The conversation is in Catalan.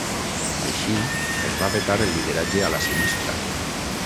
Així, es va vetar el lideratge a la Sinistra.